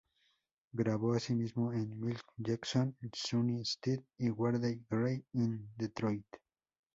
Grabó asimismo con Milt Jackson, Sonny Stitt y Wardell Gray in Detroit.